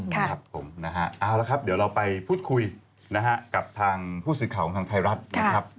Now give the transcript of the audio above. ครับผมนะฮะเอาละครับเดี๋ยวเราไปพูดคุยนะฮะกับทางผู้สื่อข่าวของทางไทยรัฐนะครับ